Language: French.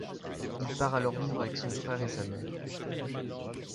Il part alors vivre avec son frère et sa mère.